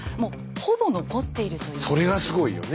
それがすごいよね。